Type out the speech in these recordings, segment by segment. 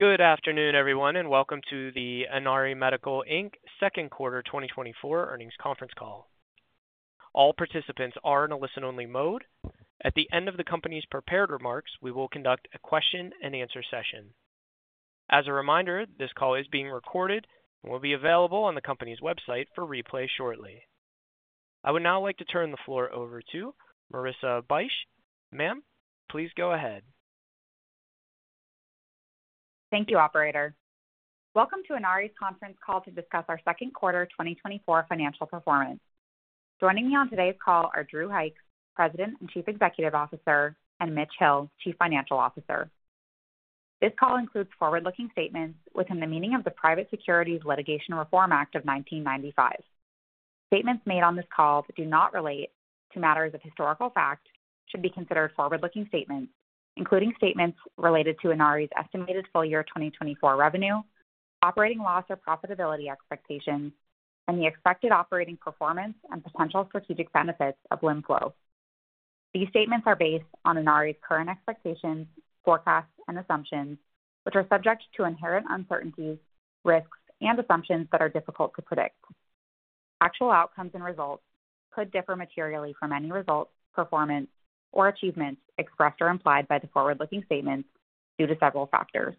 Good afternoon, everyone, and welcome to the Inari Medical Inc. Second Quarter 2024 earnings conference call. All participants are in a listen-only mode. At the end of the company's prepared remarks, we will conduct a question-and-answer session. As a reminder, this call is being recorded and will be available on the company's website for replay shortly. I would now like to turn the floor over to Marissa Bych. Ma'am, please go ahead. Thank you, Operator. Welcome to Inari's conference call to discuss our Second Quarter 2024 financial performance. Joining me on today's call are Drew Hykes, President and Chief Executive Officer, and Mitch Hill, Chief Financial Officer. This call includes forward-looking statements within the meaning of the Private Securities Litigation Reform Act of 1995. Statements made on this call that do not relate to matters of historical fact should be considered forward-looking statements, including statements related to Inari's estimated full year 2024 revenue, operating loss or profitability expectations, and the expected operating performance and potential strategic benefits of LimFlow. These statements are based on Inari's current expectations, forecasts, and assumptions, which are subject to inherent uncertainties, risks, and assumptions that are difficult to predict. Actual outcomes and results could differ materially from any results, performance, or achievements expressed or implied by the forward-looking statements due to several factors.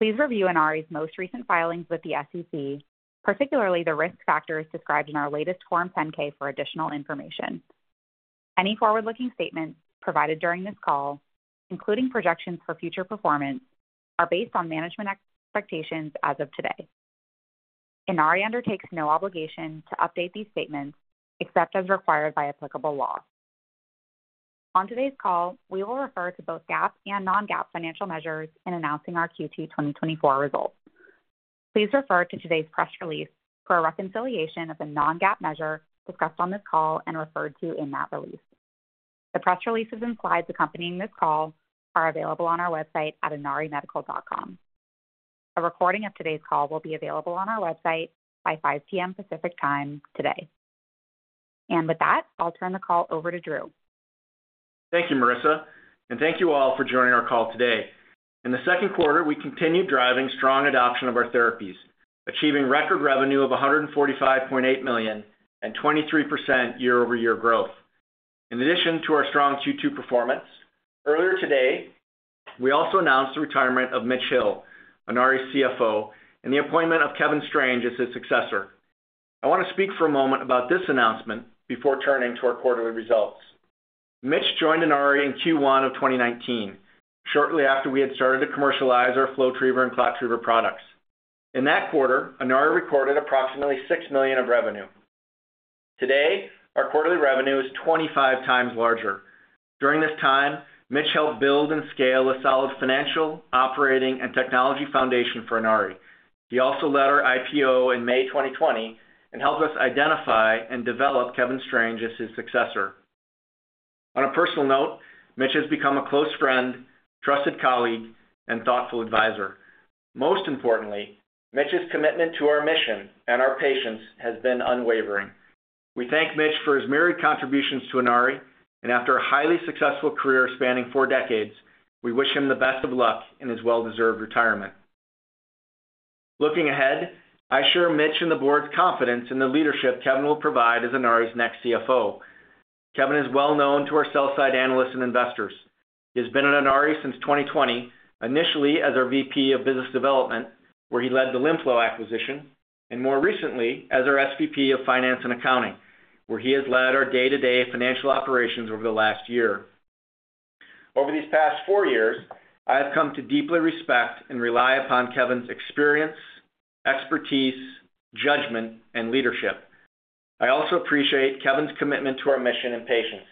Please review Inari's most recent filings with the SEC, particularly the risk factors described in our latest Form 10-K for additional information. Any forward-looking statements provided during this call, including projections for future performance, are based on management expectations as of today. Inari undertakes no obligation to update these statements except as required by applicable law. On today's call, we will refer to both GAAP and non-GAAP financial measures in announcing our Q2 2024 results. Please refer to today's press release for a reconciliation of the non-GAAP measure discussed on this call and referred to in that release. The press releases and slides accompanying this call are available on our website at inarimedical.com. A recording of today's call will be available on our website by 5:00 P.M. Pacific Time today. With that, I'll turn the call over to Drew. Thank you, Marissa, and thank you all for joining our call today. In the second quarter, we continued driving strong adoption of our therapies, achieving record revenue of $145.8 million and 23% year-over-year growth. In addition to our strong Q2 performance, earlier today, we also announced the retirement of Mitch Hill, Inari's CFO, and the appointment of Kevin Strange as his successor. I want to speak for a moment about this announcement before turning to our quarterly results. Mitch joined Inari in Q1 of 2019, shortly after we had started to commercialize our FlowTriever and ClotTriever products. In that quarter, Inari recorded approximately $6 million of revenue. Today, our quarterly revenue is 25 times larger. During this time, Mitch helped build and scale a solid financial, operating, and technology foundation for Inari. He also led our IPO in May 2020 and helped us identify and develop Kevin Strange as his successor. On a personal note, Mitch has become a close friend, trusted colleague, and thoughtful advisor. Most importantly, Mitch's commitment to our mission and our patients has been unwavering. We thank Mitch for his myriad contributions to Inari, and after a highly successful career spanning four decades, we wish him the best of luck in his well-deserved retirement. Looking ahead, I share Mitch and the board's confidence in the leadership Kevin will provide as Inari's next CFO. Kevin is well known to our sell-side analysts and investors. He has been at Inari since 2020, initially as our VP of Business Development, where he led the LimFlow acquisition, and more recently as our SVP of Finance and Accounting, where he has led our day-to-day financial operations over the last year. Over these past four years, I have come to deeply respect and rely upon Kevin's experience, expertise, judgment, and leadership. I also appreciate Kevin's commitment to our mission and patience.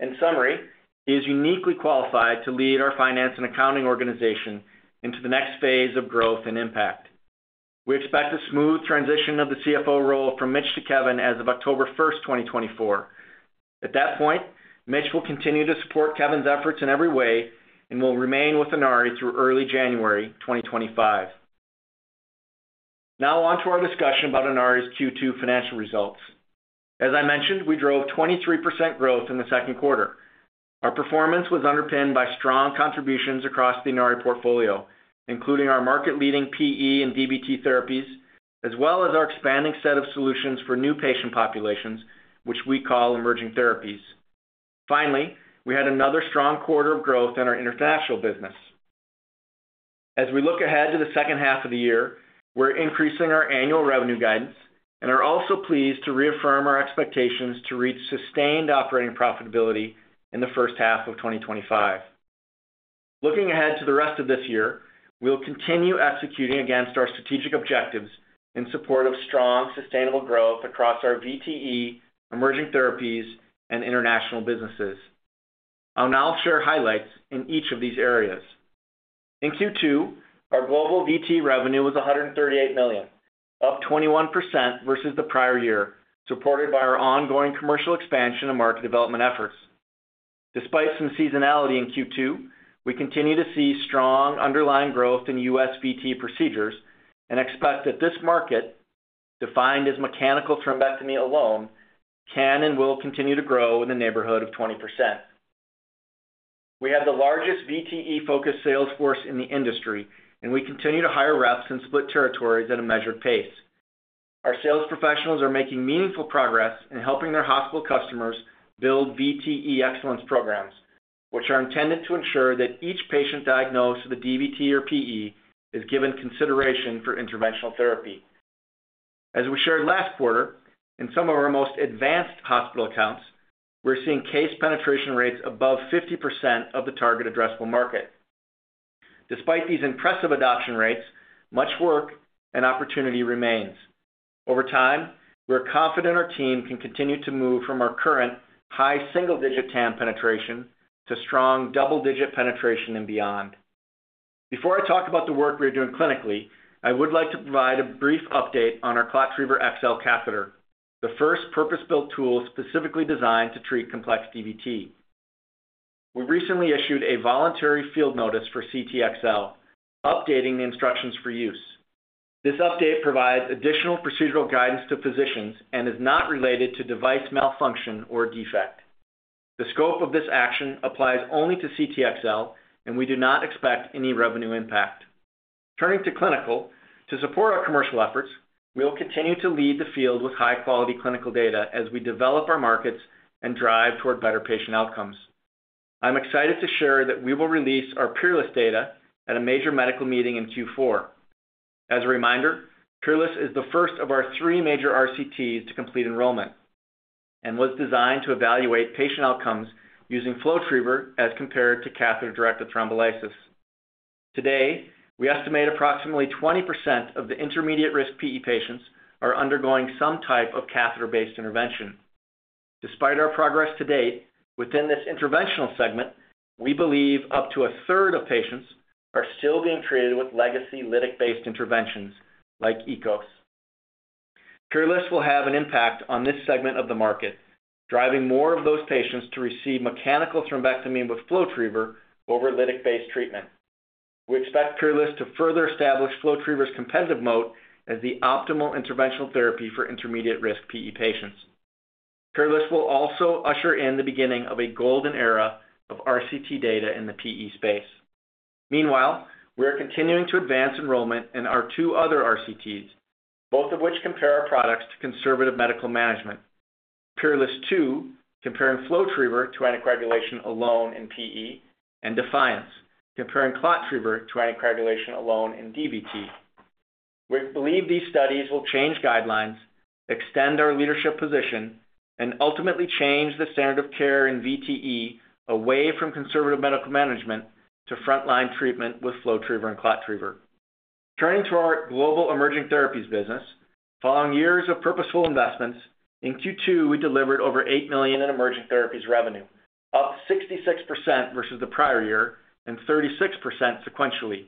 In summary, he is uniquely qualified to lead our finance and accounting organization into the next phase of growth and impact. We expect a smooth transition of the CFO role from Mitch to Kevin as of October 1, 2024. At that point, Mitch will continue to support Kevin's efforts in every way and will remain with Inari through early January 2025. Now on to our discussion about Inari's Q2 financial results. As I mentioned, we drove 23% growth in the second quarter. Our performance was underpinned by strong contributions across the Inari portfolio, including our market-leading PE and DVT therapies, as well as our expanding set of solutions for new patient populations, which we call emerging therapies. Finally, we had another strong quarter of growth in our international business. As we look ahead to the second half of the year, we're increasing our annual revenue guidance and are also pleased to reaffirm our expectations to reach sustained operating profitability in the first half of 2025. Looking ahead to the rest of this year, we'll continue executing against our strategic objectives in support of strong, sustainable growth across our VTE, emerging therapies, and international businesses. I'll now share highlights in each of these areas. In Q2, our global VTE revenue was $138 million, up 21% versus the prior year, supported by our ongoing commercial expansion and market development efforts. Despite some seasonality in Q2, we continue to see strong underlying growth in U.S. VTE procedures and expect that this market, defined as mechanical thrombectomy alone, can and will continue to grow in the neighborhood of 20%. We have the largest VTE-focused sales force in the industry, and we continue to hire reps in split territories at a measured pace. Our sales professionals are making meaningful progress in helping their hospital customers build VTE excellence programs, which are intended to ensure that each patient diagnosed with a DVT or PE is given consideration for interventional therapy. As we shared last quarter, in some of our most advanced hospital accounts, we're seeing case penetration rates above 50% of the target addressable market. Despite these impressive adoption rates, much work and opportunity remains. Over time, we're confident our team can continue to move from our current high single-digit TAM penetration to strong double-digit penetration and beyond. Before I talk about the work we're doing clinically, I would like to provide a brief update on our ClotTriever XL catheter, the first purpose-built tool specifically designed to treat complex DVT. We recently issued a voluntary field notice for ClotTriever XL, updating the instructions for use. This update provides additional procedural guidance to physicians and is not related to device malfunction or defect. The scope of this action applies only to ClotTriever XL, and we do not expect any revenue impact. Turning to clinical, to support our commercial efforts, we'll continue to lead the field with high-quality clinical data as we develop our markets and drive toward better patient outcomes. I'm excited to share that we will release our PEERLESS data at a major medical meeting in Q4. As a reminder, PEERLESS is the first of our three major RCTs to complete enrollment and was designed to evaluate patient outcomes using FlowTriever as compared to catheter-directed thrombolysis. Today, we estimate approximately 20% of the intermediate risk PE patients are undergoing some type of catheter-based intervention. Despite our progress to date, within this interventional segment, we believe up to a third of patients are still being treated with legacy lytic-based interventions like EKOS. PEERLESS will have an impact on this segment of the market, driving more of those patients to receive mechanical thrombectomy with FlowTriever over lytic-based treatment. We expect PEERLESS to further establish FlowTriever's competitive moat as the optimal interventional therapy for intermediate risk PE patients. PEERLESS will also usher in the beginning of a golden era of RCT data in the PE space. Meanwhile, we're continuing to advance enrollment in our two other RCTs, both of which compare our products to conservative medical management. PEERLESS II, comparing FlowTriever to anticoagulation alone in PE, and DEFIANCE, comparing ClotTriever to anticoagulation alone in DVT. We believe these studies will change guidelines, extend our leadership position, and ultimately change the standard of care in VTE away from conservative medical management to frontline treatment with FlowTriever and ClotTriever. Turning to our global emerging therapies business, following years of purposeful investments, in Q2, we delivered over $8 million in emerging therapies revenue, up 66% versus the prior year and 36% sequentially.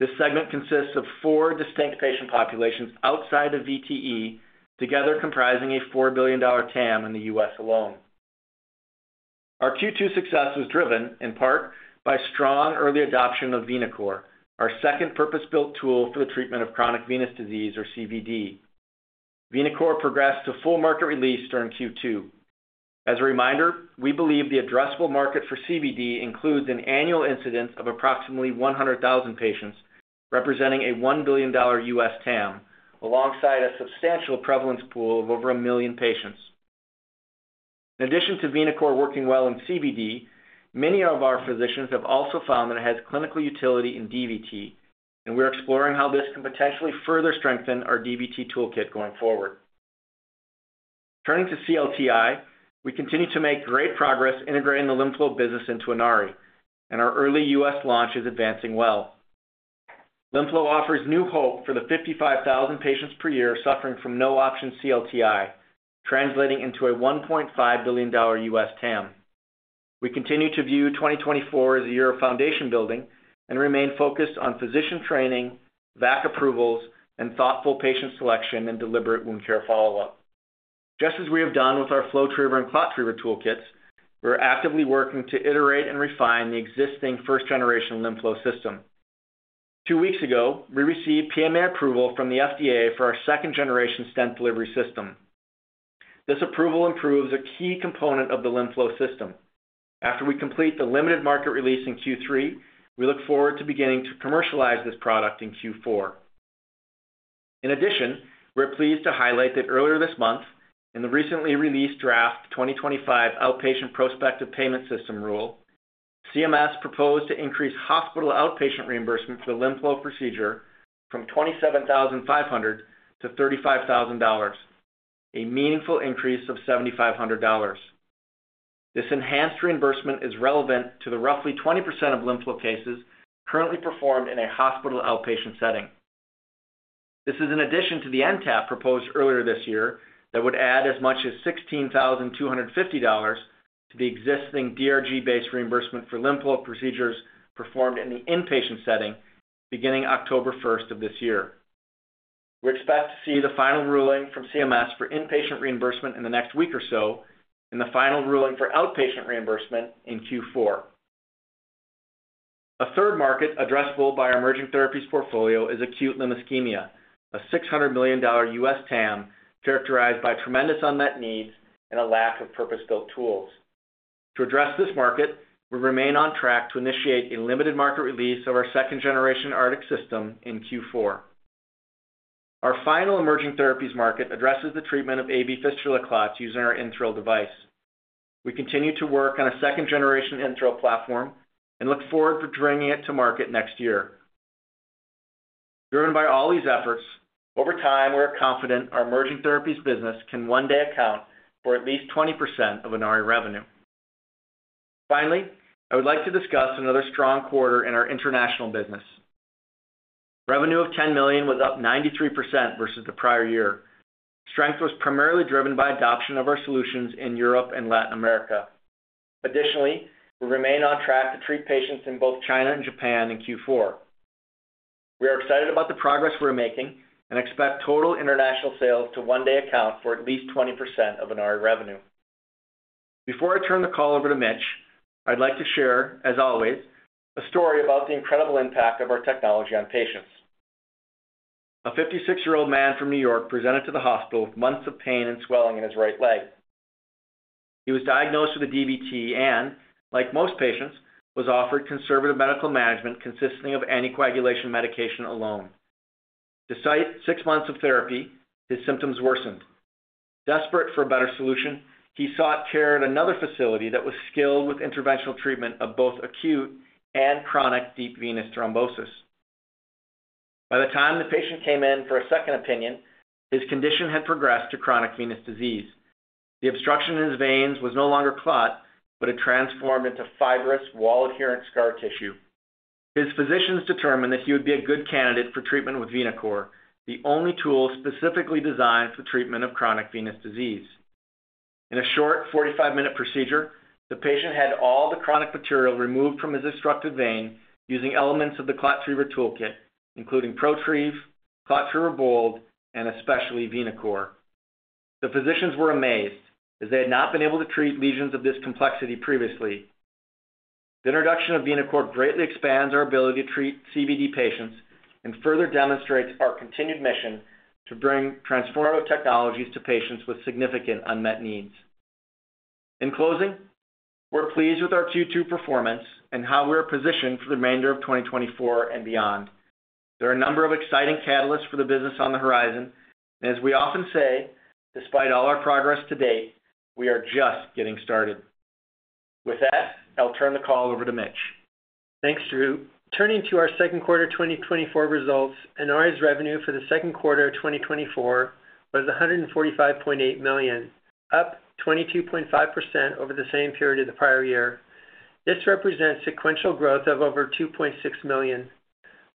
This segment consists of four distinct patient populations outside of VTE, together comprising a $4 billion TAM in the U.S. alone. Our Q2 success was driven in part by strong early adoption of VenaCore, our second purpose-built tool for the treatment of chronic venous disease or CVD. VenaCore progressed to full market release during Q2. As a reminder, we believe the addressable market for CVD includes an annual incidence of approximately 100,000 patients, representing a $1 billion U.S. TAM, alongside a substantial prevalence pool of over a million patients. In addition to VenaCore working well in CVD, many of our physicians have also found that it has clinical utility in DVT, and we're exploring how this can potentially further strengthen our DVT toolkit going forward. Turning to CLTI, we continue to make great progress integrating the LimFlow business into Inari, and our early U.S. launch is advancing well. LimFlow offers new hope for the 55,000 patients per year suffering from no-option CLTI, translating into a $1.5 billion U.S. TAM. We continue to view 2024 as a year of foundation building and remain focused on physician training, VAC approvals, and thoughtful patient selection and deliberate wound care follow-up. Just as we have done with our FlowTriever and ClotTriever toolkits, we're actively working to iterate and refine the existing first-generation LimFlow system. Two weeks ago, we received PMA approval from the FDA for our second-generation stent delivery system. This approval improves a key component of the LimFlow system. After we complete the limited market release in Q3, we look forward to beginning to commercialize this product in Q4. In addition, we're pleased to highlight that earlier this month, in the recently released draft 2025 Outpatient Prospective Payment System rule, CMS proposed to increase hospital outpatient reimbursement for the LimFlow procedure from $27,500 to $35,000, a meaningful increase of $7,500. This enhanced reimbursement is relevant to the roughly 20% of LimFlow cases currently performed in a hospital outpatient setting. This is in addition to the NTAP proposed earlier this year that would add as much as $16,250 to the existing DRG-based reimbursement for LimFlow procedures performed in the inpatient setting beginning October 1 of this year. We expect to see the final ruling from CMS for inpatient reimbursement in the next week or so and the final ruling for outpatient reimbursement in Q4. A third market addressable by our emerging therapies portfolio is acute limb ischemia, a $600 million U.S. TAM characterized by tremendous unmet needs and a lack of purpose-built tools. To address this market, we remain on track to initiate a limited market release of our second-generation Artix system in Q4. Our final emerging therapies market addresses the treatment of AV fistula clots using our InThrill device. We continue to work on a second-generation InThrill platform and look forward to bringing it to market next year. Driven by all these efforts, over time, we're confident our emerging therapies business can one day account for at least 20% of Inari revenue. Finally, I would like to discuss another strong quarter in our international business. Revenue of $10 million was up 93% versus the prior year. Strength was primarily driven by adoption of our solutions in Europe and Latin America. Additionally, we remain on track to treat patients in both China and Japan in Q4. We are excited about the progress we're making and expect total international sales to one day account for at least 20% of Inari revenue. Before I turn the call over to Mitch, I'd like to share, as always, a story about the incredible impact of our technology on patients. A 56-year-old man from New York presented to the hospital with months of pain and swelling in his right leg. He was diagnosed with a DVT and, like most patients, was offered conservative medical management consisting of anticoagulation medication alone. Despite six months of therapy, his symptoms worsened. Desperate for a better solution, he sought care at another facility that was skilled with interventional treatment of both acute and chronic deep venous thrombosis. By the time the patient came in for a second opinion, his condition had progressed to chronic venous disease. The obstruction in his veins was no longer clot, but it transformed into fibrous wall-adherent scar tissue. His physicians determined that he would be a good candidate for treatment with VenaCore, the only tool specifically designed for the treatment of chronic venous disease. In a short 45-minute procedure, the patient had all the chronic material removed from his obstructed vein using elements of the ClotTriever toolkit, including ProTrieve, ClotTriever BOLD, and especially VenaCore. The physicians were amazed as they had not been able to treat lesions of this complexity previously. The introduction of VenaCore greatly expands our ability to treat CVD patients and further demonstrates our continued mission to bring transformative technologies to patients with significant unmet needs. In closing, we're pleased with our Q2 performance and how we're positioned for the remainder of 2024 and beyond. There are a number of exciting catalysts for the business on the horizon, and as we often say, despite all our progress to date, we are just getting started. With that, I'll turn the call over to Mitch. Thanks, Drew. Turning to our second quarter 2024 results, Inari's revenue for the second quarter of 2024 was $145.8 million, up 22.5% over the same period of the prior year. This represents sequential growth of over $2.6 million.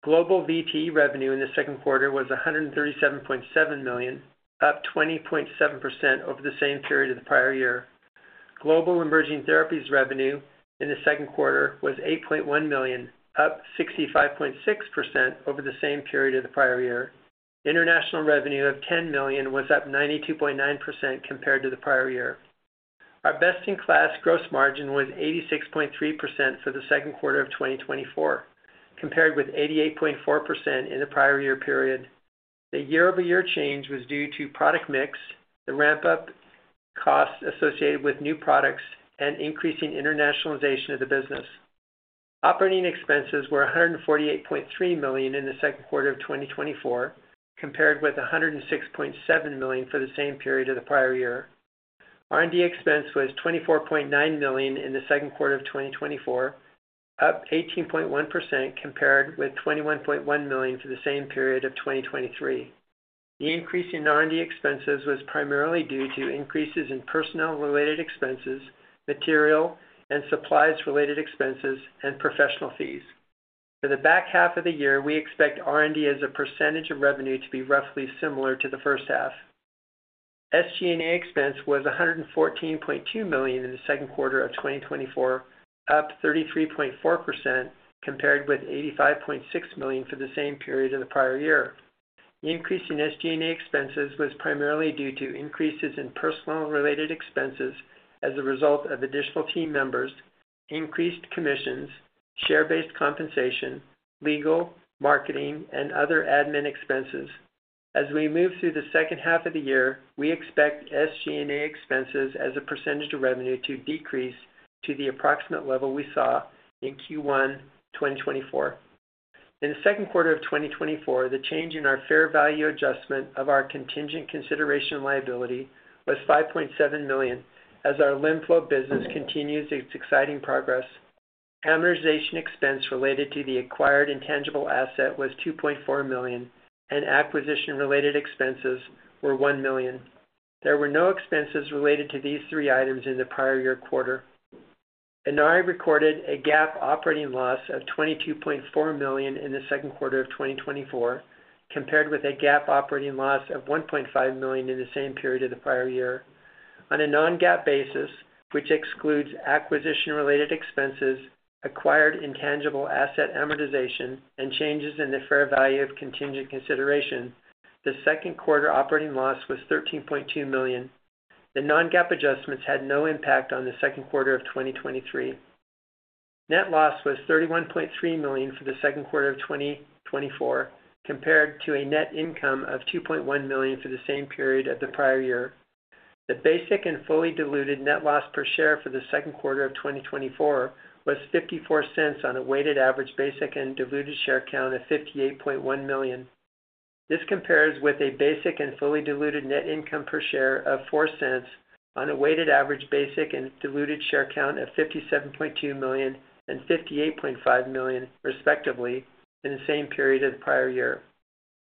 Global VT revenue in the second quarter was $137.7 million, up 20.7% over the same period of the prior year. Global emerging therapies revenue in the second quarter was $8.1 million, up 65.6% over the same period of the prior year. International revenue of $10 million was up 92.9% compared to the prior year. Our best-in-class gross margin was 86.3% for the second quarter of 2024, compared with 88.4% in the prior year period. The year-over-year change was due to product mix, the ramp-up costs associated with new products, and increasing internationalization of the business. Operating expenses were $148.3 million in the second quarter of 2024, compared with $106.7 million for the same period of the prior year. R&D expense was $24.9 million in the second quarter of 2024, up 18.1% compared with $21.1 million for the same period of 2023. The increase in R&D expenses was primarily due to increases in personnel-related expenses, material and supplies-related expenses, and professional fees. For the back half of the year, we expect R&D as a percentage of revenue to be roughly similar to the first half. SG&A expense was $114.2 million in the second quarter of 2024, up 33.4% compared with $85.6 million for the same period of the prior year. The increase in SG&A expenses was primarily due to increases in personnel-related expenses as a result of additional team members, increased commissions, share-based compensation, legal, marketing, and other admin expenses. As we move through the second half of the year, we expect SG&A expenses as a percentage of revenue to decrease to the approximate level we saw in Q1 2024. In the second quarter of 2024, the change in our fair value adjustment of our contingent consideration liability was $5.7 million as our LimFlow business continues its exciting progress. Amortization expense related to the acquired intangible asset was $2.4 million, and acquisition-related expenses were $1 million. There were no expenses related to these three items in the prior year quarter. Inari recorded a GAAP operating loss of $22.4 million in the second quarter of 2024, compared with a GAAP operating loss of $1.5 million in the same period of the prior year. On a non-GAAP basis, which excludes acquisition-related expenses, acquired intangible asset amortization, and changes in the fair value of contingent consideration, the second quarter operating loss was $13.2 million. The non-GAAP adjustments had no impact on the second quarter of 2023. Net loss was $31.3 million for the second quarter of 2024, compared to a net income of $2.1 million for the same period of the prior year. The basic and fully diluted net loss per share for the second quarter of 2024 was $0.54 on a weighted average basic and diluted share count of 58.1 million. This compares with a basic and fully diluted net income per share of $0.04 on a weighted average basic and diluted share count of 57.2 million and 58.5 million, respectively, in the same period of the prior year.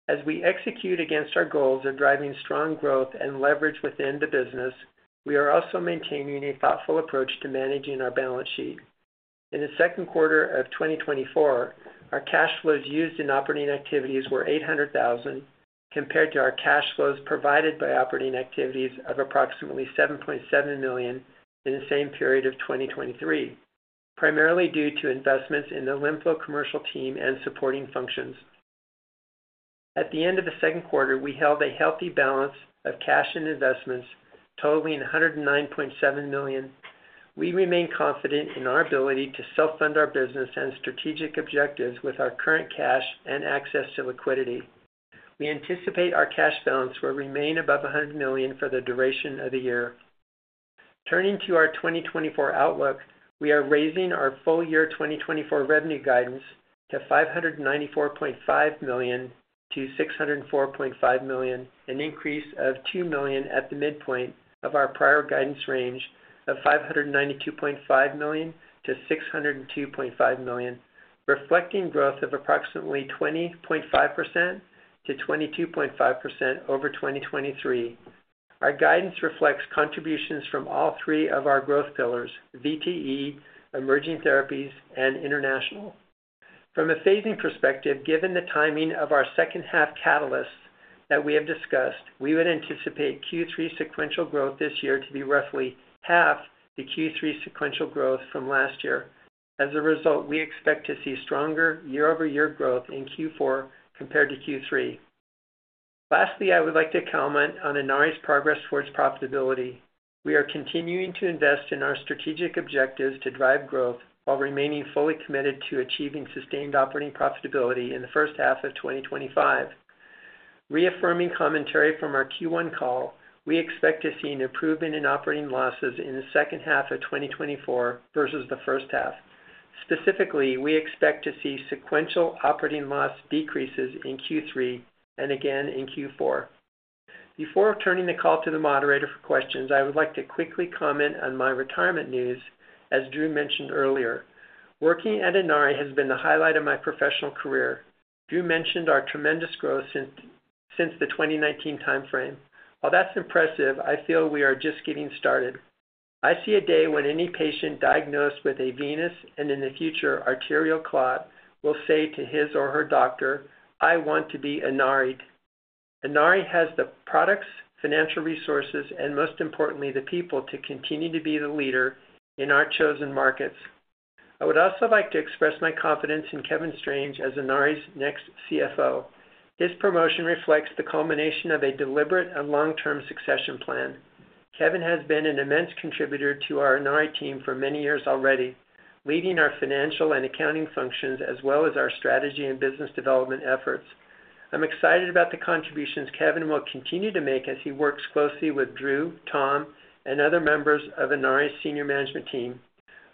As we execute against our goals of driving strong growth and leverage within the business, we are also maintaining a thoughtful approach to managing our balance sheet. In the second quarter of 2024, our cash flows used in operating activities were $800,000, compared to our cash flows provided by operating activities of approximately $7.7 million in the same period of 2023, primarily due to investments in the LimFlow commercial team and supporting functions. At the end of the second quarter, we held a healthy balance of cash and investments, totaling $109.7 million. We remain confident in our ability to self-fund our business and strategic objectives with our current cash and access to liquidity. We anticipate our cash balance will remain above $100 million for the duration of the year. Turning to our 2024 outlook, we are raising our full year 2024 revenue guidance to $594.5 million-$604.5 million, an increase of $2 million at the midpoint of our prior guidance range of $592.5 million-$602.5 million, reflecting growth of approximately 20.5%-22.5% over 2023. Our guidance reflects contributions from all three of our growth pillars: VTE, emerging therapies, and international. From a phasing perspective, given the timing of our second-half catalysts that we have discussed, we would anticipate Q3 sequential growth this year to be roughly half the Q3 sequential growth from last year. As a result, we expect to see stronger year-over-year growth in Q4 compared to Q3. Lastly, I would like to comment on Inari's progress towards profitability. We are continuing to invest in our strategic objectives to drive growth while remaining fully committed to achieving sustained operating profitability in the first half of 2025. Reaffirming commentary from our Q1 call, we expect to see an improvement in operating losses in the second half of 2024 versus the first half. Specifically, we expect to see sequential operating loss decreases in Q3 and again in Q4. Before turning the call to the moderator for questions, I would like to quickly comment on my retirement news, as Drew mentioned earlier. Working at Inari has been the highlight of my professional career. Drew mentioned our tremendous growth since the 2019 timeframe. While that's impressive, I feel we are just getting started. I see a day when any patient diagnosed with a venous and, in the future, arterial clot will say to his or her doctor, "I want to be Inari'd." Inari has the products, financial resources, and, most importantly, the people to continue to be the leader in our chosen markets. I would also like to express my confidence in Kevin Strange as Inari's next CFO. His promotion reflects the culmination of a deliberate and long-term succession plan. Kevin has been an immense contributor to our Inari team for many years already, leading our financial and accounting functions as well as our strategy and business development efforts. I'm excited about the contributions Kevin will continue to make as he works closely with Drew, Tom, and other members of Inari's senior management team.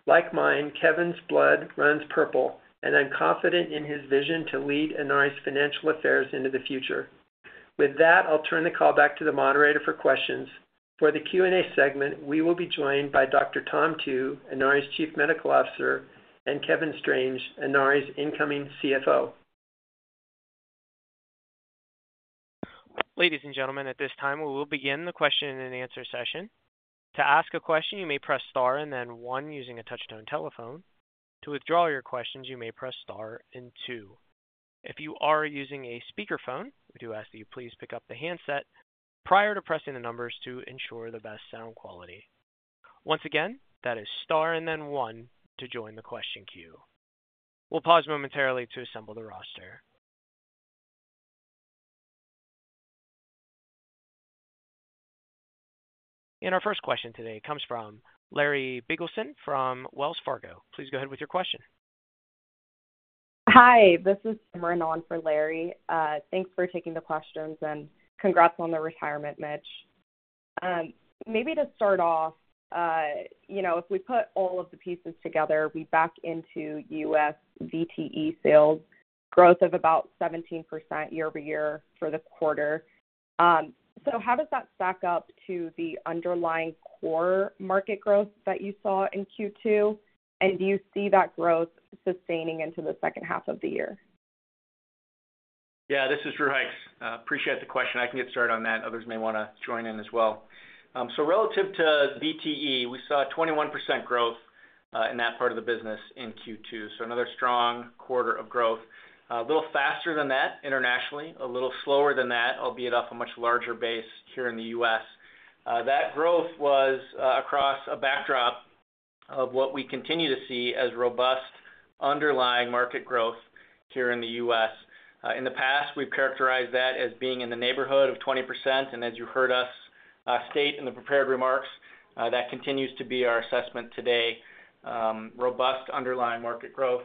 Like mine, Kevin's blood runs purple, and I'm confident in his vision to lead Inari's financial affairs into the future. With that, I'll turn the call back to the moderator for questions. For the Q&A segment, we will be joined by Dr. Tom Tu, Inari's Chief Medical Officer, and Kevin Strange, Inari's incoming CFO. Ladies and gentlemen, at this time, we will begin the question and answer session. To ask a question, you may press star and then one using a touch-tone telephone. To withdraw your questions, you may press star and two. If you are using a speakerphone, we do ask that you please pick up the handset prior to pressing the numbers to ensure the best sound quality. Once again, that is star and then one to join the question queue. We'll pause momentarily to assemble the roster. Our first question today comes from Larry Biegelsen from Wells Fargo. Please go ahead with your question. Hi, this is Simran for Larry. Thanks for taking the questions and congrats on the retirement, Mitch. Maybe to start off, you know, if we put all of the pieces together, we back into U.S. VTE sales, growth of about 17% year-over-year for the quarter. So how does that stack up to the underlying core market growth that you saw in Q2? And do you see that growth sustaining into the second half of the year? Yeah, this is Drew Hykes. Appreciate the question. I can get started on that. Others may want to join in as well. So relative to VTE, we saw 21% growth in that part of the business in Q2. So another strong quarter of growth. A little faster than that internationally, a little slower than that, albeit off a much larger base here in the U.S. That growth was across a backdrop of what we continue to see as robust underlying market growth here in the U.S. In the past, we've characterized that as being in the neighborhood of 20%. And as you heard us state in the prepared remarks, that continues to be our assessment today: robust underlying market growth.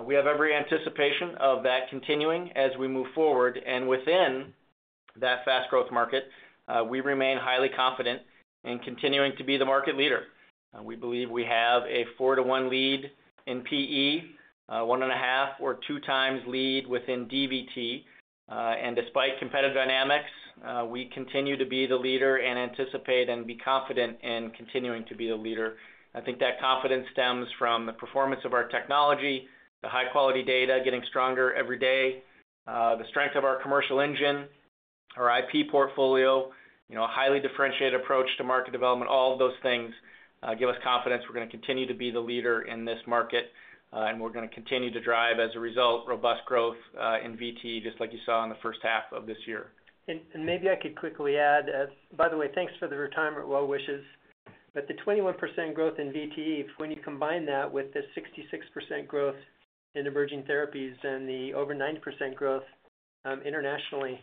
We have every anticipation of that continuing as we move forward. And within that fast growth market, we remain highly confident in continuing to be the market leader. We believe we have a 4-to-1 lead in PE, 1.5- or 2-times lead within DVT. And despite competitive dynamics, we continue to be the leader and anticipate and be confident in continuing to be the leader. I think that confidence stems from the performance of our technology, the high-quality data getting stronger every day, the strength of our commercial engine, our IP portfolio, you know, a highly differentiated approach to market development. All of those things give us confidence we're going to continue to be the leader in this market, and we're going to continue to drive, as a result, robust growth in VTE, just like you saw in the first half of this year. And maybe I could quickly add, by the way, thanks for the retirement well wishes. But the 21% growth in VTE, when you combine that with the 66% growth in emerging therapies and the over 90% growth internationally,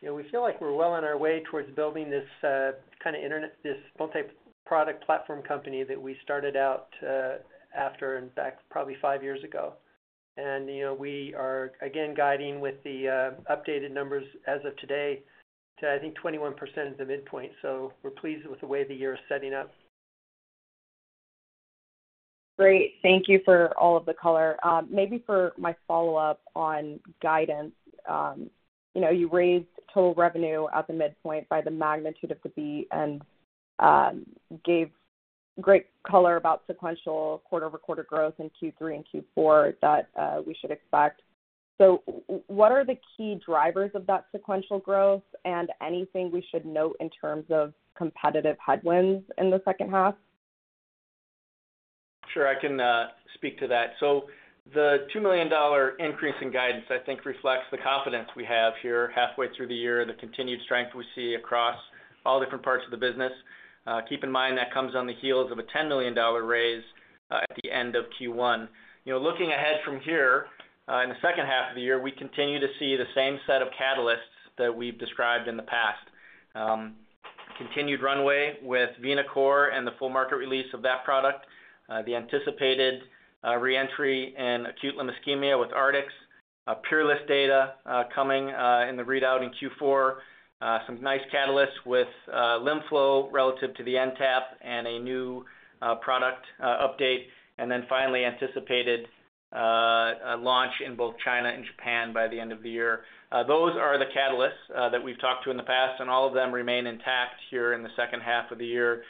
you know, we feel like we're well on our way towards building this kind of multi-product platform company that we started out after, in fact, probably five years ago. And, you know, we are again guiding with the updated numbers as of today to, I think, 21% is the midpoint. So we're pleased with the way the year is setting up. Great. Thank you for all of the color. Maybe for my follow-up on guidance, you know, you raised total revenue at the midpoint by the magnitude of the beat and gave great color about sequential quarter-over-quarter growth in Q3 and Q4 that we should expect. So what are the key drivers of that sequential growth and anything we should note in terms of competitive headwinds in the second half? Sure, I can speak to that. The $2 million increase in guidance, I think, reflects the confidence we have here halfway through the year and the continued strength we see across all different parts of the business. Keep in mind that comes on the heels of a $10 million raise at the end of Q1. You know, looking ahead from here in the second half of the year, we continue to see the same set of catalysts that we've described in the past: continued runway with VenaCore and the full market release of that product, the anticipated reentry in acute limb ischemia with Artix, PEERLESS data coming in the readout in Q4, some nice catalysts with LimFlow relative to the NTAP and a new product update, and then finally anticipated launch in both China and Japan by the end of the year. Those are the catalysts that we've talked to in the past, and all of them remain intact here in the second half of the year.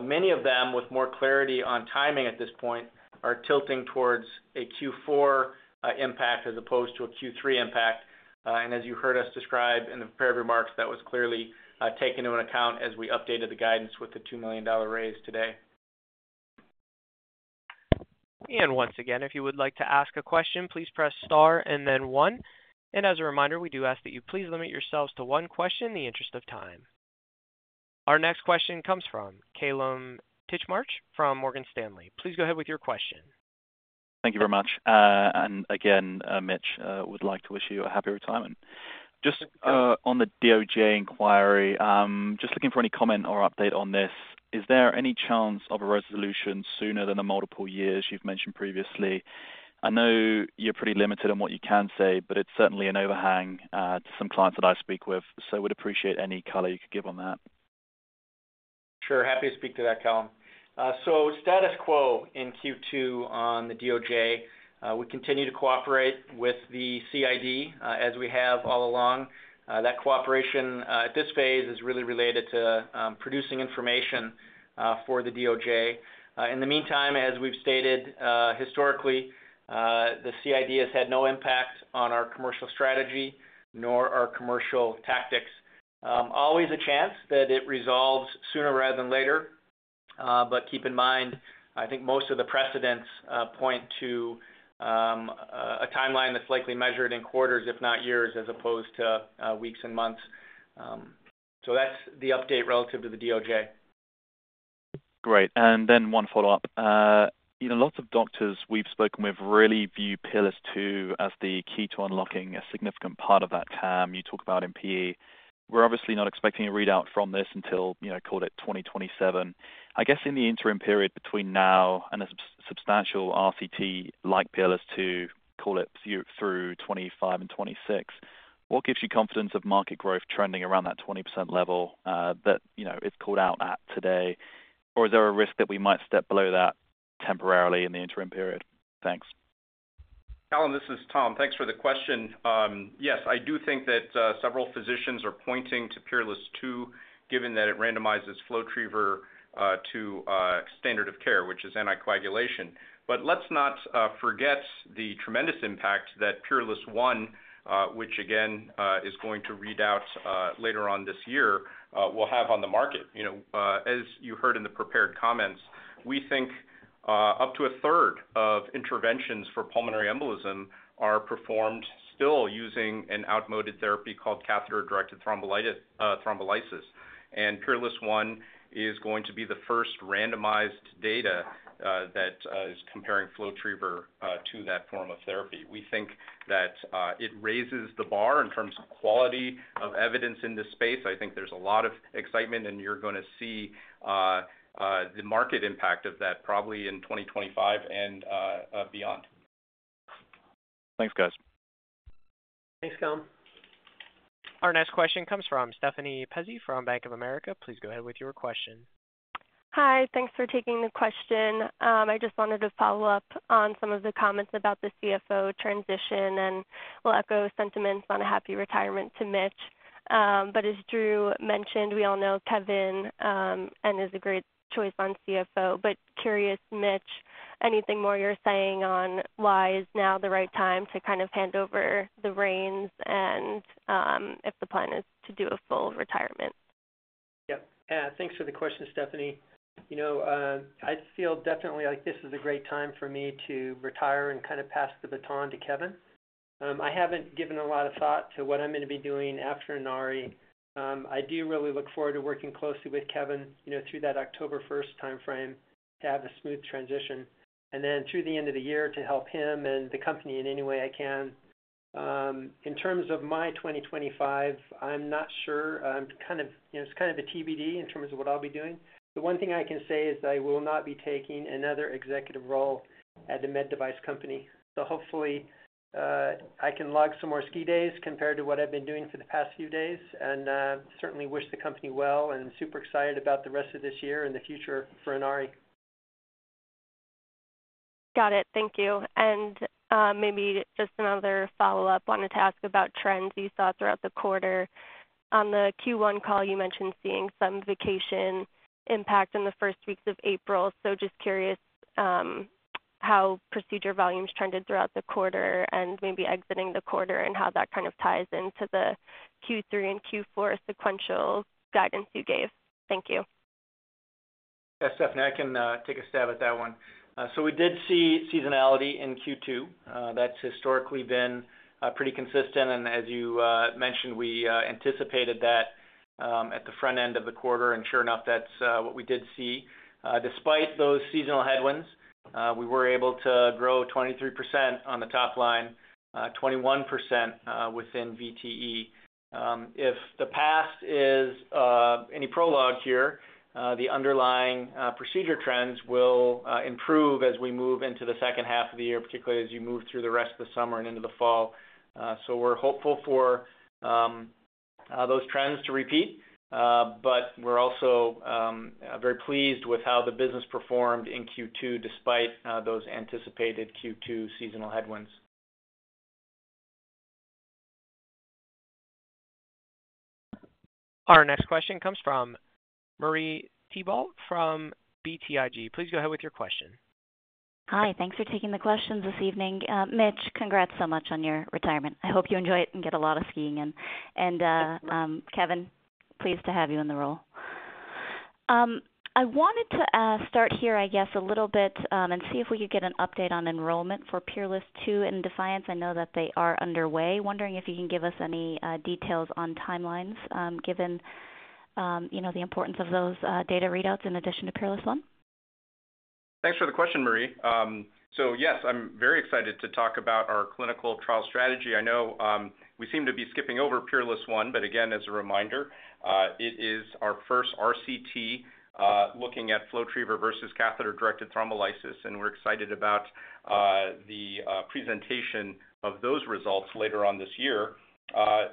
Many of them, with more clarity on timing at this point, are tilting towards a Q4 impact as opposed to a Q3 impact. As you heard us describe in the prepared remarks, that was clearly taken into account as we updated the guidance with the $2 million raise today. Once again, if you would like to ask a question, please press star and then one. As a reminder, we do ask that you please limit yourselves to one question in the interest of time. Our next question comes from Kallum Titchmarsh from Morgan Stanley. Please go ahead with your question. Thank you very much. Again, Mitch, would like to wish you a happy retirement. Just on the DOJ inquiry, just looking for any comment or update on this, is there any chance of a resolution sooner than the multiple years you've mentioned previously? I know you're pretty limited on what you can say, but it's certainly an overhang to some clients that I speak with. So we'd appreciate any color you could give on that. Sure, happy to speak to that, Kallum. So status quo in Q2 on the DOJ. We continue to cooperate with the CID as we have all along. That cooperation at this phase is really related to producing information for the DOJ. In the meantime, as we've stated historically, the CID has had no impact on our commercial strategy nor our commercial tactics. Always a chance that it resolves sooner rather than later. But keep in mind, I think most of the precedents point to a timeline that's likely measured in quarters, if not years, as opposed to weeks and months. So that's the update relative to the DOJ. Great. And then one follow-up. You know, lots of doctors we've spoken with really view PEERLESS II as the key to unlocking a significant part of that term you talk about in PE. We're obviously not expecting a readout from this until, you know, call it 2027. I guess in the interim period between now and a substantial RCT like PEERLESS II, call it through 2025 and 2026, what gives you confidence of market growth trending around that 20% level that, you know, it's called out at today? Or is there a risk that we might step below that temporarily in the interim period? Thanks. Kallum, this is Tom. Thanks for the question. Yes, I do think that several physicians are pointing to PEERLESS II, given that it randomizes FlowTriever to standard of care, which is anticoagulation. But let's not forget the tremendous impact that PEERLESS I, which again is going to read out later on this year, will have on the market. You know, as you heard in the prepared comments, we think up to a third of interventions for pulmonary embolism are performed still using an outmoded therapy called catheter-directed thrombolysis. And PEERLESS I is going to be the first randomized data that is comparing FlowTriever to that form of therapy. We think that it raises the bar in terms of quality of evidence in this space. I think there's a lot of excitement, and you're going to see the market impact of that probably in 2025 and beyond. Thanks, guys. Thanks, Kallum. Our next question comes from Stephanie Pezzi from Bank of America. Please go ahead with your question. Hi, thanks for taking the question. I just wanted to follow up on some of the comments about the CFO transition and will echo sentiments on a happy retirement to Mitch. But as Drew mentioned, we all know Kevin and is a great choice on CFO. But curious, Mitch, anything more you're saying on why is now the right time to kind of hand over the reins and if the plan is to do a full retirement? Yep. Thanks for the question, Stephanie. You know, I feel definitely like this is a great time for me to retire and kind of pass the baton to Kevin. I haven't given a lot of thought to what I'm going to be doing after Inari. I do really look forward to working closely with Kevin, you know, through that October 1st timeframe to have a smooth transition and then through the end of the year to help him and the company in any way I can. In terms of my 2025, I'm not sure. I'm kind of, you know, it's kind of a TBD in terms of what I'll be doing. The one thing I can say is I will not be taking another executive role at the med device company. So hopefully I can log some more ski days compared to what I've been doing for the past few days and certainly wish the company well and super excited about the rest of this year and the future for Inari. Got it. Thank you. And maybe just another follow-up, wanted to ask about trends you saw throughout the quarter. On the Q1 call, you mentioned seeing some vacation impact in the first weeks of April. So just curious how procedure volumes trended throughout the quarter and maybe exiting the quarter and how that kind of ties into the Q3 and Q4 sequential guidance you gave? Thank you. Yes, Stephanie, I can take a stab at that one. So we did see seasonality in Q2. That's historically been pretty consistent. And as you mentioned, we anticipated that at the front end of the quarter. And sure enough, that's what we did see. Despite those seasonal headwinds, we were able to grow 23% on the top line, 21% within VTE. If the past is any prologue here, the underlying procedure trends will improve as we move into the second half of the year, particularly as you move through the rest of the summer and into the fall. So we're hopeful for those trends to repeat. But we're also very pleased with how the business performed in Q2 despite those anticipated Q2 seasonal headwinds. Our next question comes from Marie Thibault from BTIG. Please go ahead with your question. Hi, thanks for taking the questions this evening. Mitch, congrats so much on your retirement. I hope you enjoy it and get a lot of skiing in. And Kevin, pleased to have you in the role. I wanted to start here, I guess, a little bit and see if we could get an update on enrollment for PEERLESS II in DEFIANCE. I know that they are underway. Wondering if you can give us any details on timelines, given, you know, the importance of those data readouts in addition to PEERLESS. Thanks for the question, Marie. So yes, I'm very excited to talk about our clinical trial strategy. I know we seem to be skipping over PEERLESS I, but again, as a reminder, it is our first RCT looking at FlowTriever versus catheter-directed thrombolysis. We're excited about the presentation of those results later on this year.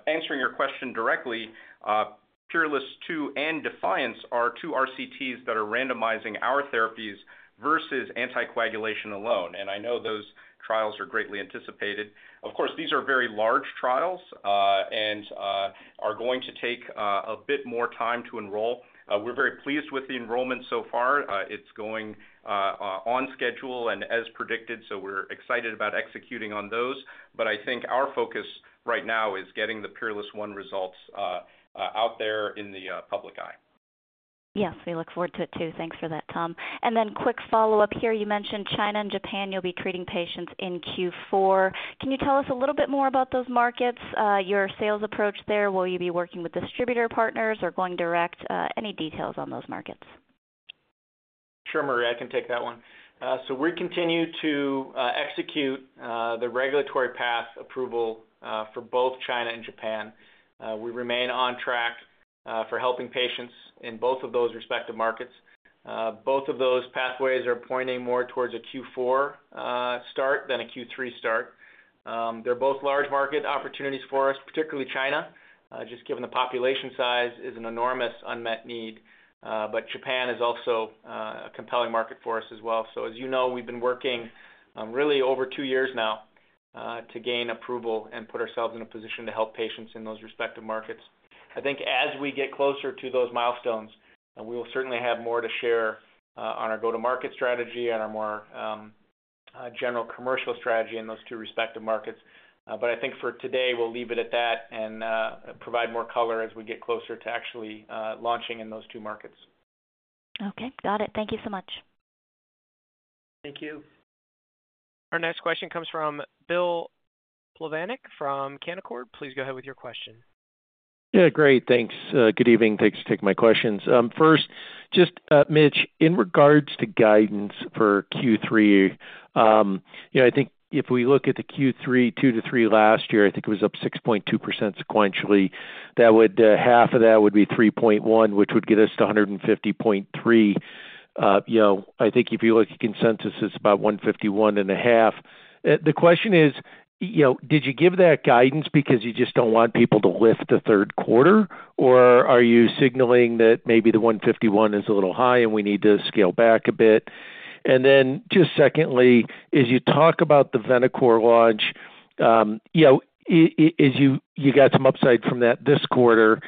Answering your question directly, PEERLESS II and DEFIANCE are two RCTs that are randomizing our therapies versus anticoagulation alone. I know those trials are greatly anticipated. Of course, these are very large trials and are going to take a bit more time to enroll. We're very pleased with the enrollment so far. It's going on schedule and as predicted. So we're excited about executing on those. But I think our focus right now is getting the PEERLESS I results out there in the public eye. Yes, we look forward to it too. Thanks for that, Tom. And then quick follow-up here. You mentioned China and Japan. You'll be treating patients in Q4. Can you tell us a little bit more about those markets, your sales approach there? Will you be working with distributor partners or going direct? Any details on those markets? Sure, Marie, I can take that one. So we continue to execute the regulatory path approval for both China and Japan. We remain on track for helping patients in both of those respective markets. Both of those pathways are pointing more towards a Q4 start than a Q3 start. They're both large market opportunities for us, particularly China, just given the population size is an enormous unmet need. But Japan is also a compelling market for us as well. So as you know, we've been working really over two years now to gain approval and put ourselves in a position to help patients in those respective markets. I think as we get closer to those milestones, we will certainly have more to share on our go-to-market strategy and our more general commercial strategy in those two respective markets. But I think for today, we'll leave it at that and provide more color as we get closer to actually launching in those two markets. Okay, got it. Thank you so much. Thank you. Our next question comes from Bill Plovanic from Canaccord Genuity. Please go ahead with your question. Yeah, great. Thanks. Good evening. Thanks for taking my questions. First, just Mitch, in regards to guidance for Q3, you know, I think if we look at the Q2 to Q3 last year, I think it was up 6.2% sequentially. That would half of that would be 3.1, which would get us to $150.3. You know, I think if you look at consensus, it's about $151.5. The question is, you know, did you give that guidance because you just don't want people to lift the third quarter? Or are you signaling that maybe the 151 is a little high and we need to scale back a bit? And then just secondly, as you talk about the VenaCore launch, you know, as you got some upside from that this quarter,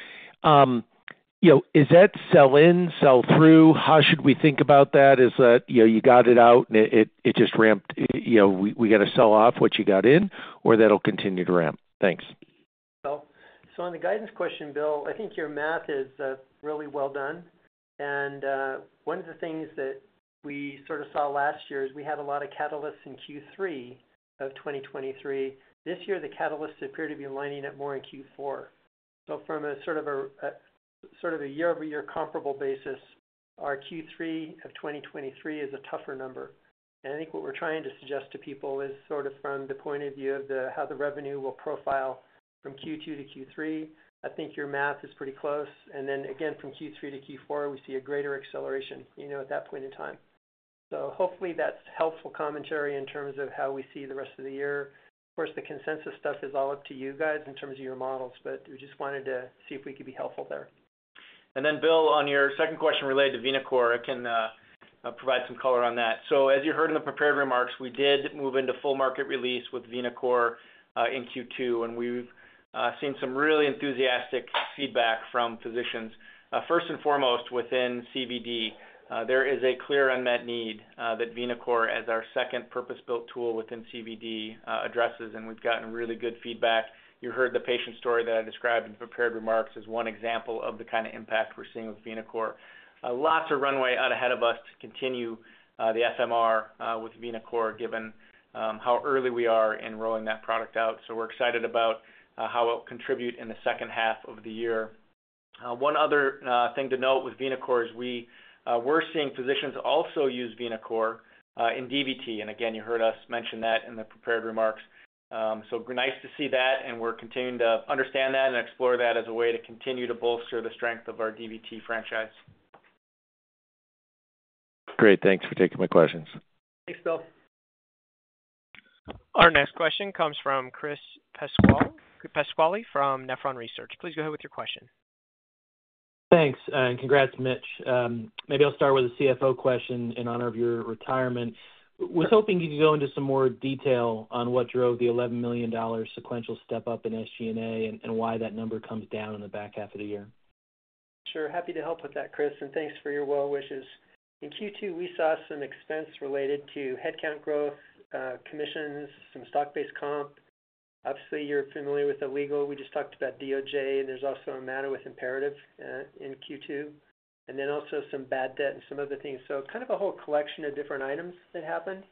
you know, is that sell in, sell through? How should we think about that? Is that, you know, you got it out and it just ramped, you know, we got to sell off what you got in or that'll continue to ramp? Thanks. So on the guidance question, Bill, I think your math is really well done. And one of the things that we sort of saw last year is we had a lot of catalysts in Q3 of 2023. This year, the catalysts appear to be lining up more in Q4. So from a sort of year-over-year comparable basis, our Q3 of 2023 is a tougher number. And I think what we're trying to suggest to people is sort of from the point of view of how the revenue will profile from Q2 to Q3. I think your math is pretty close. And then again, from Q3 to Q4, we see a greater acceleration, you know, at that point in time. So hopefully that's helpful commentary in terms of how we see the rest of the year. Of course, the consensus stuff is all up to you guys in terms of your models, but we just wanted to see if we could be helpful there. And then, Bill, on your second question related to VenaCore, I can provide some color on that. As you heard in the prepared remarks, we did move into full market release with VenaCore in Q2, and we've seen some really enthusiastic feedback from physicians. First and foremost, within CVD, there is a clear unmet need that VenaCore, as our second purpose-built tool within CVD, addresses. We've gotten really good feedback. You heard the patient story that I described in prepared remarks as one example of the kind of impact we're seeing with VenaCore. Lots of runway ahead of us to continue the FMR with VenaCore, given how early we are in rolling that product out. We're excited about how it will contribute in the second half of the year. One other thing to note with VenaCore is we were seeing physicians also use VenaCore in DVT. Again, you heard us mention that in the prepared remarks. Nice to see that. And we're continuing to understand that and explore that as a way to continue to bolster the strength of our DVT franchise. Great. Thanks for taking my questions. Thanks, Bill. Our next question comes from Chris Pasquale from Nephron Research. Please go ahead with your question. Thanks. And congrats, Mitch. Maybe I'll start with a CFO question in honor of your retirement. Was hoping you could go into some more detail on what drove the $11 million sequential step up in SG&A and why that number comes down in the back half of the year. Sure. Happy to help with that, Chris. And thanks for your well wishes. In Q2, we saw some expense related to headcount growth, commissions, some stock-based comp. Obviously, you're familiar with the legal. We just talked about DOJ, and there's also a matter with Imperative Care in Q2, and then also some bad debt and some other things. So kind of a whole collection of different items that happened.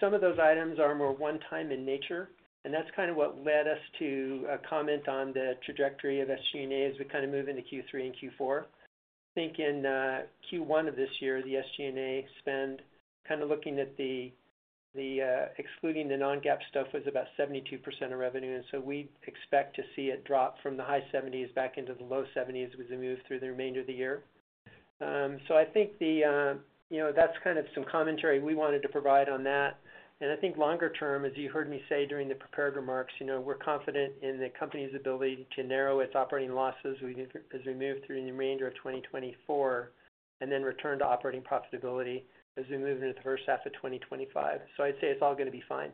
Some of those items are more one-time in nature. And that's kind of what led us to a comment on the trajectory of SG&A as we kind of move into Q3 and Q4. I think in Q1 of this year, the SG&A spend, kind of looking at the excluding the non-GAAP stuff, was about 72% of revenue. And so we expect to see it drop from the high 70s back into the low 70s as we move through the remainder of the year. So I think the, you know, that's kind of some commentary we wanted to provide on that. And I think longer term, as you heard me say during the prepared remarks, you know, we're confident in the company's ability to narrow its operating losses as we move through the remainder of 2024 and hen return to operating profitability as we move into the first half of 2025. So I'd say it's all going to be fine.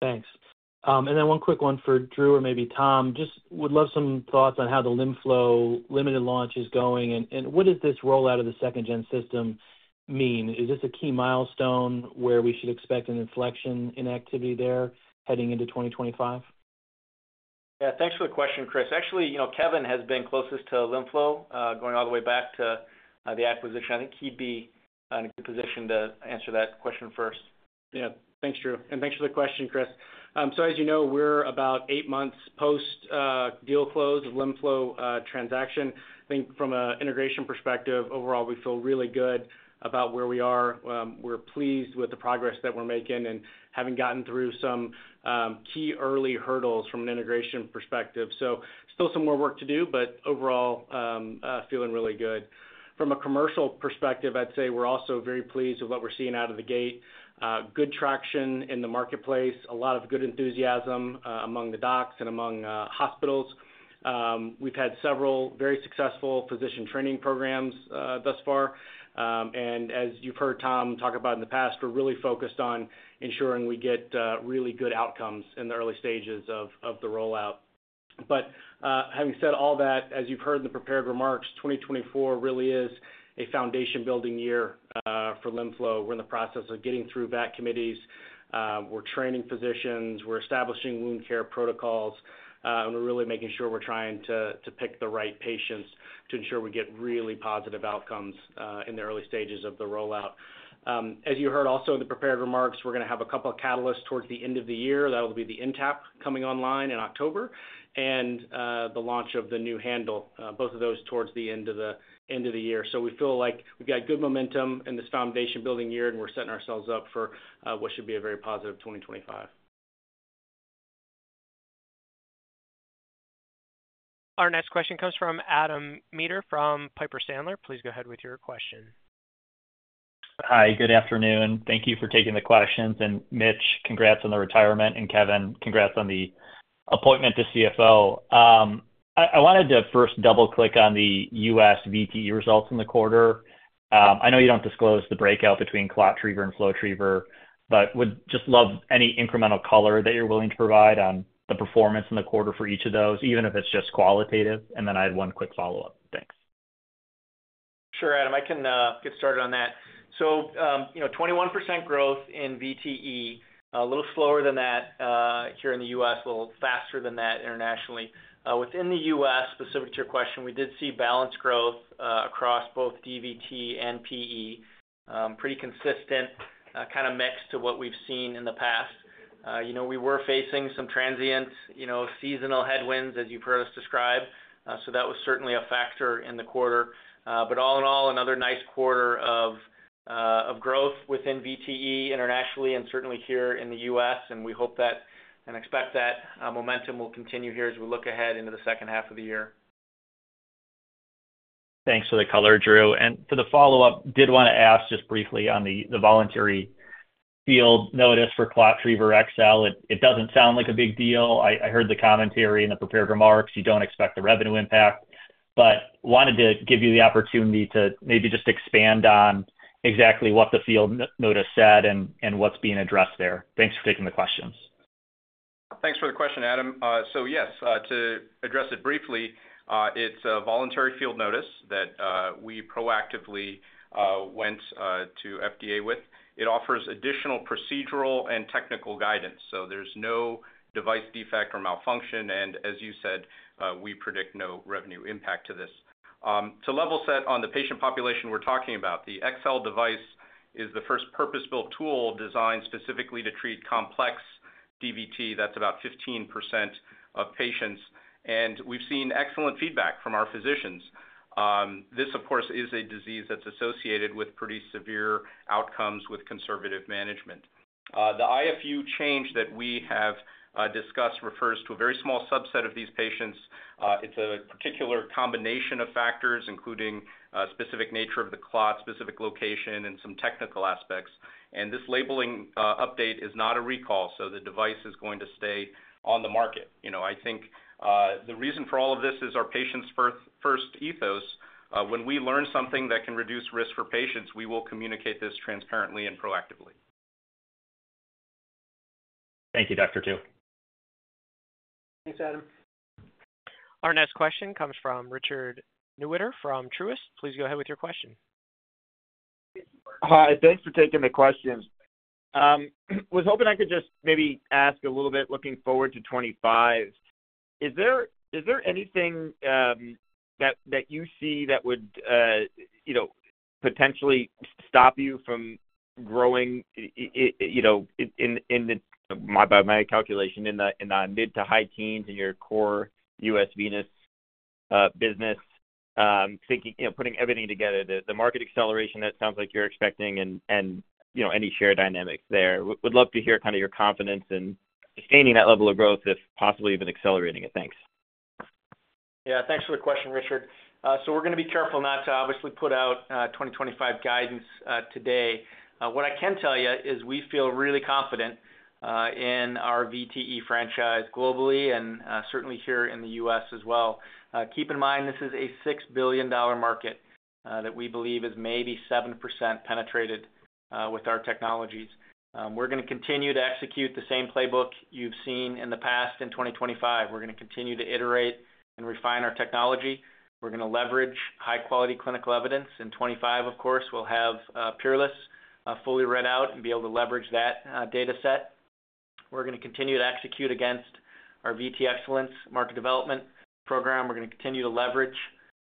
Thanks. And then one quick one for Drew or maybe Tom. Just would love some thoughts on how the LimFlow limited launch is going. And what does this rollout of the second-gen system mean? Is this a key milestone where we should expect an inflection in activity there heading into 2025? Yeah, thanks for the question, Chris. Actually, you kwhere now, Kevin has been closest to LimFlow going all the way back to the acquisition. I think he'd be in a good position to answer that question first. Yeah. Thanks, Drew. And thanks for the question, Chris. So as you know, we're about 8 months post-deal close of LimFlow transaction. I think from an integration perspective, overall, we feel really good about where we are. We're pleased with the progress that we're making and having gotten through some key early hurdles from an integration perspective. So still some more work to do, but overall, feeling really good. From a commercial perspective, I'd say we're also very pleased with what we're seeing out of the gate. Good traction in the marketplace, a lot of good enthusiasm among the docs and among hospitals. We've had several very successful physician training programs thus far. And as you've heard Tom talk about in the past, we're really focused on ensuring we get really good outcomes in the early stages of the rollout. Having said all that, as you've heard in the prepared remarks, 2024 really is a foundation-building year for LimFlow. We're in the process of getting through VAC committees. We're training physicians. We're establishing wound care protocols. And we're really making sure we're trying to pick the right patients to ensure we get really positive outcomes in the early stages of the rollout. As you heard also in the prepared remarks, we're going to have a couple of catalysts towards the end of the year. That will be the NTAP coming online in October and the launch of the new handle, both of those towards the end of the year. So we feel like we've got good momentum in this foundation-building year, and we're setting ourselves up for what should be a very positive 2025. Our next question comes from Adam Maeder from Piper Sandler. Please go ahead with your question. Hi, good afternoon. Thank you for taking the questions. Mitch, congrats on the retirement. Kevin, congrats on the appointment to CFO. I wanted to first double-click on the US VTE results in the quarter. I know you don't disclose the breakout between ClotTriever and FlowTriever, but would just love any incremental color that you're willing to provide on the performance in the quarter for each of those, even if it's just qualitative. I had one quick follow-up. Thanks. Sure, Adam. I can get started on that. So, you know, 21% growth in VTE, a little slower than that here in the US, a little faster than that internationally. Within the US, specific to your question, we did see balanced growth across both DVT and PE, pretty consistent, kind of mixed to what we've seen in the past. You know, we were facing some transient, you know, seasonal headwinds, as you've heard us describe. So that was certainly a factor in the quarter. But all in all, another nice quarter of growth within VTE internationally and certainly here in the U.S. And we hope that and expect that momentum will continue here as we look ahead into the second half of the year. Thanks for the color, Drew. And for the follow-up, did want to ask just briefly on the voluntary field notice for ClotTriever XL. It doesn't sound like a big deal. I heard the commentary in the prepared remarks. You don't expect the revenue impact, but wanted to give you the opportunity to maybe just expand on exactly what the field notice said and what's being addressed there. Thanks for taking the questions. Thanks for the question, Adam. So yes, to address it briefly, it's a voluntary field notice that we proactively went to FDA with. It offers additional procedural and technical guidance. There's no device defect or malfunction. And as you said, we predict no revenue impact to this. To level set on the patient population we're talking about, the XL device is the first purpose-built tool designed specifically to treat complex DVT. That's about 15% of patients. We've seen excellent feedback from our physicians. This, of course, is a disease that's associated with pretty severe outcomes with conservative management. The IFU change that we have discussed refers to a very small subset of these patients. It's a particular combination of factors, including specific nature of the clot, specific location, and some technical aspects. This labeling update is not a recall. The device is going to stay on the market. You know, I think the reason for all of this is our patient's first ethos. When we learn something that can reduce risk for patients, we will communicate this transparently and proactively. Thank you, Dr. Tu. Thanks, Adam. Our next question comes from Richard Newitter from Truist. Please go ahead with your question. Hi, thanks for taking the questions. I was hoping I could just maybe ask a little bit looking forward to 2025. Is there anything that you see that would, you know, potentially stop you from growing, you know, in the, my back-of-the-envelope calculation, in the mid to high teens in your core US venous business, thinking, you know, putting everything together, the market acceleration that sounds like you're expecting and, you know, any share dynamics there. Would love to hear kind of your confidence in sustaining that level of growth, if possibly even accelerating it. Thanks. Yeah, thanks for the question, Richard. So we're going to be careful not to obviously put out 2025 guidance today. What I can tell you is we feel really confident in our VTE franchise globally and certainly here in the U.S. as well. Keep in mind, this is a $6 billion market that we believe is maybe 7% penetrated with our technologies. We're going to continue to execute the same playbook you've seen in the past in 2025. We're going to continue to iterate and refine our technology. We're going to leverage high-quality clinical evidence. In 2025, of course, we'll have PEERLESS fully read out and be able to leverage that data set. We're going to continue to execute against our VTE Excellence Market Development Program. We're going to continue to leverage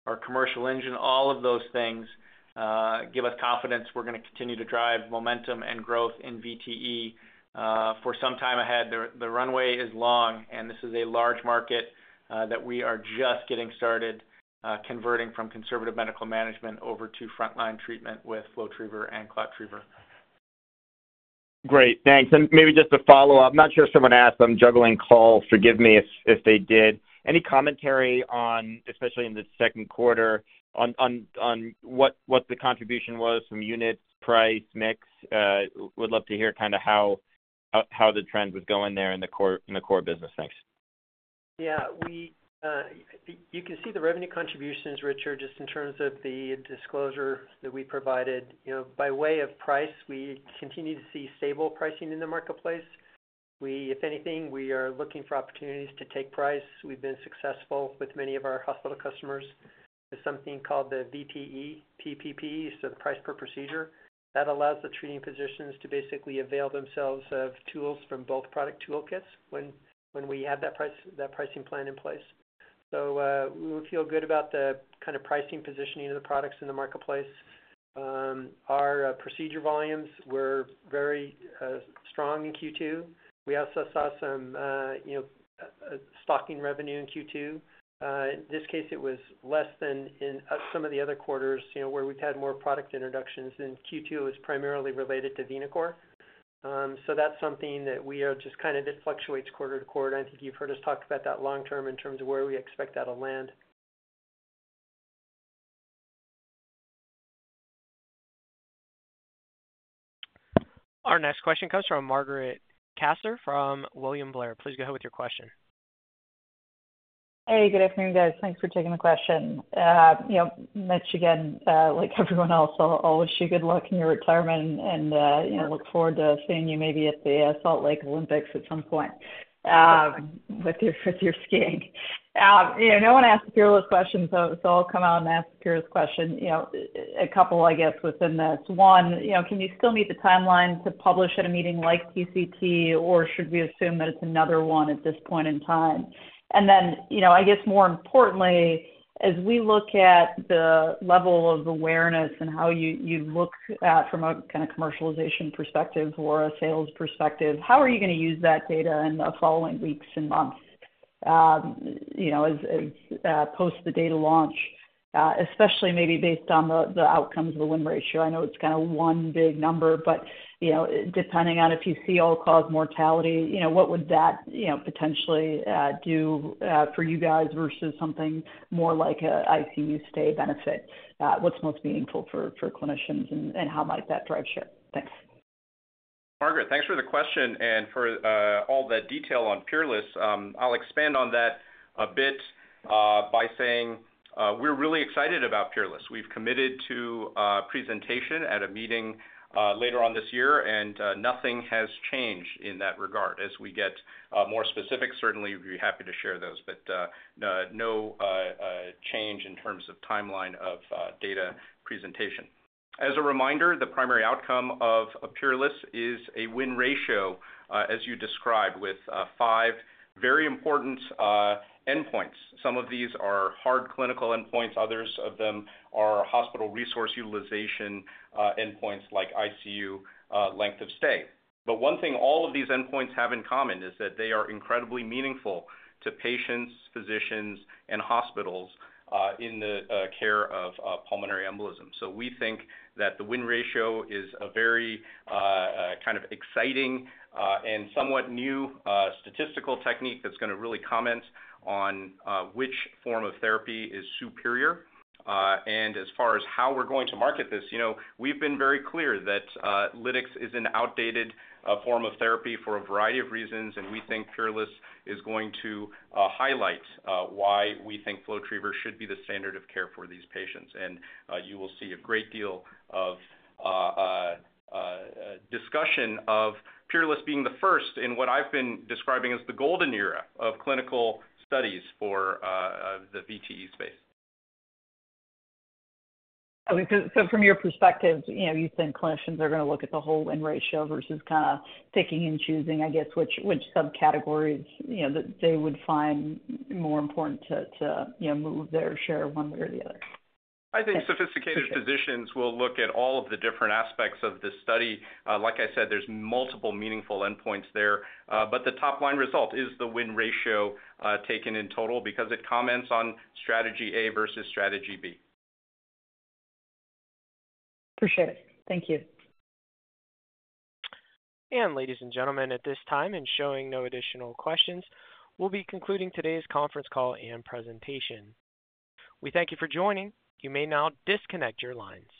our commercial engine. All of those things give us confidence. We're going to continue to drive momentum and growth in VTE for some time ahead. The runway is long, and this is a large market that we are just getting started converting from conservative medical management over to frontline treatment with FlowTriever and ClotTriever. Great. Thanks. And maybe just to follow up, I'm not sure if someone asked them, juggling call, forgive me if they did. Any commentary on, especially in the second quarter, on what the contribution was from unit price mix? Would love to hear kind of how the trend was going there in the core business. Thanks. Yeah. You can see the revenue contributions, Richard, just in terms of the disclosure that we provided. You know, by way of price, we continue to see stable pricing in the marketplace. If anything, we are looking for opportunities to take price. We've been successful with many of our hospital customers with something called the VTE PPP, so the price per procedure. That allows the treating physicians to basically avail themselves of tools from both product toolkits when we have that pricing plan in place. So we feel good about the kind of pricing positioning of the products in the marketplace. Our procedure volumes were very strong in Q2. We also saw some, you know, stocking revenue in Q2. In this case, it was less than in some of the other quarters, you know, where we've had more product introductions. And Q2 was primarily related to VenaCore. So that's something that we are just kind of, it fluctuates quarter to quarter. I think you've heard us talk about that long term in terms of where we expect that to land. Our next question comes from Margaret Kaczor from William Blair. Please go ahead with your question. Hey, good afternoon, guys. Thanks for taking the question. You know, Mitch, again, like everyone else, I'll wish you good luck in your retirement and, you know, look forward to seeing you maybe at the Salt Lake Olympics at some point with your skiing. You know, no one asked the curious question, so I'll come out and ask the curious question. You know, a couple, I guess, within this. One, you know, can you still meet the timeline to publish at a meeting like TCT, or should we assume that it's another one at this point in time? And then, you know, I guess more importantly, as we look at the level of awareness and how you look at from a kind of commercialization perspective or a sales perspective, how are you going to use that data in the following weeks and months, you know, post the data launch, especially maybe based on the outcomes of the win ratio? I know it's kind of one big number, but, you know, depending on if you see all-cause mortality, you know, what would that, you know, potentially do for you guys versus something more like an ICU stay benefit? What's most meaningful for clinicians and how might that drive share? Thanks. Margaret, thanks for the question and for all the detail on PEERLESS. I'll expand on that a bit by saying we're really excited about PEERLESS. We've committed to presentation at a meeting later on this year, and nothing has changed in that regard. As we get more specific, certainly we'd be happy to share those, but no change in terms of timeline of data presentation. As a reminder, the primary outcome of PEERLESS is a win ratio, as you described, with five very important endpoints. Some of these are hard clinical endpoints. Others of them are hospital resource utilization endpoints like ICU length of stay. But one thing all of these endpoints have in common is that they are incredibly meaningful to patients, physicians, and hospitals in the care of pulmonary embolism. So we think that the win ratio is a very kind of exciting and somewhat new statistical technique that's going to really comment on which form of therapy is superior. As far as how we're going to market this, you know, we've been very clear that lytics is an outdated form of therapy for a variety of reasons, and we think PEERLESS is going to highlight why we think FlowTriever should be the standard of care for these patients. You will see a great deal of discussion of PEERLESS being the first in what I've been describing as the golden era of clinical studies for the VTE space. From your perspective, you know, you think clinicians are going to look at the whole win ratio versus kind of picking and choosing, I guess, which subcategories, you know, that they would find more important to, you know, move their share one way or the other. I think sophisticated physicians will look at all of the different aspects of this study. Like I said, there's multiple meaningful endpoints there, but the top-line result is the win ratio taken in total because it comments on strategy A versus strategy B. Appreciate it. Thank you. And ladies and gentlemen, at this time, and showing no additional questions, we'll be concluding today's conference call and presentation. We thank you for joining. You may now disconnect your lines.